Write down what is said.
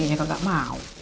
ianya kagak mau